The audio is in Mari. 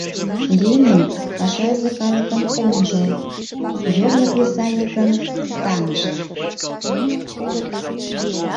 — Ленин — пашазе калыкын онжо, йорло кресаньыкын таҥже!